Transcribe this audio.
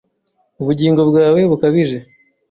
Ubugingo bwawe bukabije;